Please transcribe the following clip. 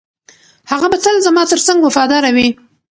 هغه به تل زما تر څنګ وفاداره وي.